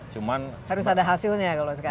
harus ada hasilnya kalau sekarang kan